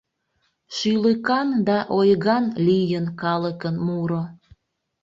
Шӱлыкан да ойган лийын Калыкын муро.